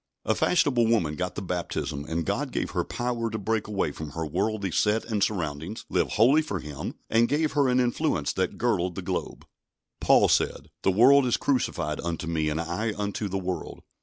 A fashionable woman got the baptism, and God gave her power to break away from her worldly set and surroundings, live wholly for Him, and gave her an influence that girdled the globe. Paul said: "The world is crucified unto me, and I unto the world."